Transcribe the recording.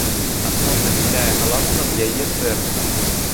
Антон нахіляе галаву над яе сэрцам.